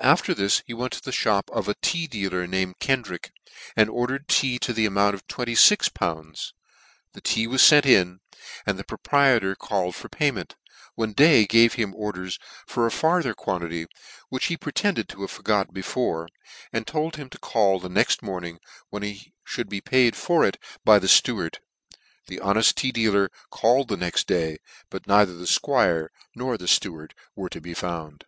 After this he went to the (hop of a tea dealer named Kendrick, and ordered tea to the amount of 26!. The tea was fent in, and the proprietor called for payment, when Day gave him orders for a farther quantity, which he pretended to have forgot before; and told him to call the nexc morning, when he fhould be paid for it by the fteward. The honeft tea dealer called the nexc day, but neither the 'fquire nor the fteward were to be found.